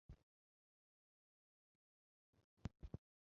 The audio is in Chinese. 一说为齐废帝萧宝卷陵。